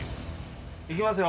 いきますよ。